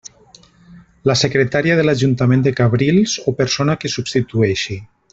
La secretària de l'Ajuntament de Cabrils o personal que substitueixi.